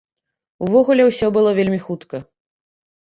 Увогуле ўсё было вельмі хутка.